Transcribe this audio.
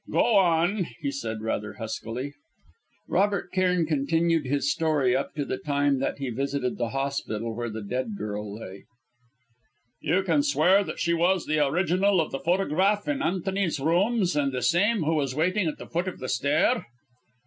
"Go on," he said, rather huskily. Robert Cairn continued his story up to the time that he visited the hospital where the dead girl lay. "You can swear that she was the original of the photograph in Antony's rooms and the same who was waiting at the foot of the stair?"